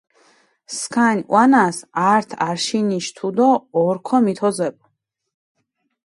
სქანი ჸვანას ართ არშინიში თუდო ორქო მითოზეპუ.